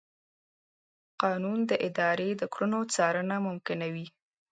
قانون د ادارې د کړنو څارنه ممکنوي.